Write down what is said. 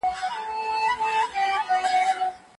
که دوی تاریخ مطالعه نه کړي نو په ورانه به ځي.